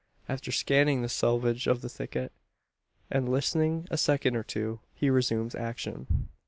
After scanning the selvedge of the thicket, and listening a second or two, he resumes action.